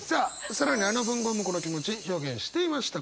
更にあの文豪もこの気持ち表現していました。